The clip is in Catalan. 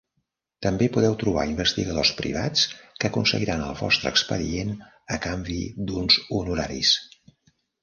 També podeu trobar investigadors privats que aconseguiran el vostre expedient a canvi d'uns honoraris.